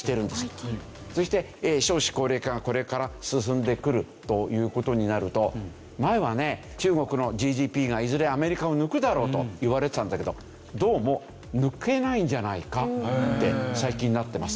そして少子高齢化がこれから進んでくるという事になると前はね中国のＧＤＰがいずれアメリカを抜くだろうといわれてたんだけどどうも抜けないんじゃないかって最近なってます。